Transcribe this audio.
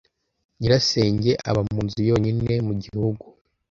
Nyirasenge aba mu nzu yonyine mu gihugu.